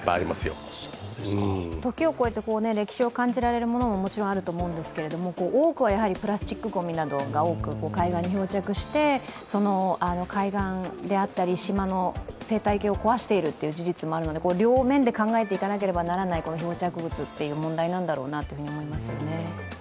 時を越えて歴史を感じられるものも多くあると思いますけど多くはプラスチックごみとかが海岸に漂着してその海岸であったり島の生態系を壊している事実もあるので両面で考えていかなければならない漂着物という問題なんだろうなという感じですね。